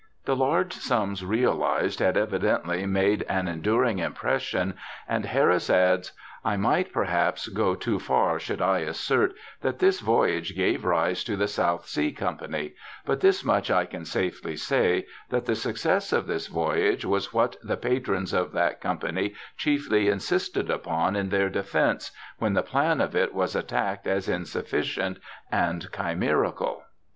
The large sums realized had evidently made an endur ing impression, and Harris adds, * I might, perhaps, go too far should I assert that this voyage gave rise to the South Sea Company, but this much I can safely say, that the success of this voyage was what the patrons of THOMAS DOVER 27 that Company chiefly insisted upon in their defence, when the plan of it was attacked as insufficient and chimerical.'